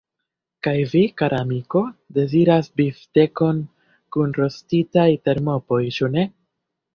Kaj vi, kara amiko, deziras bifstekon kun rostitaj terpomoj, ĉu ne?